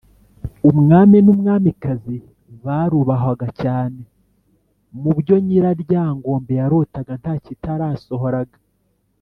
umwami n’umwamikazi barubahwaga cyane mu byo nyiraryangombe yarotaga ntakitarasohoraga